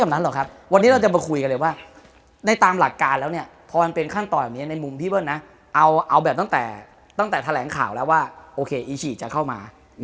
มาแหลงข่าวไอ้อีชีจะเข้ามา